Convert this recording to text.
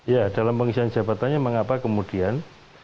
ya dalam pengisian jabatannya mengapa kemudian